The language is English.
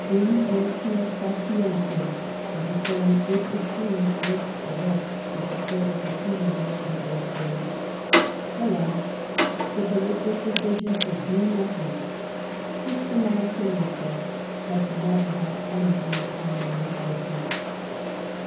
Inertia, sapientia was a saying which, it seems, was correct at the Court of the Tuileries in those days. Alas ! the deliberate decision to do nothing, systematic 107 Bismarck inertia, has never had anything in common with wisdom.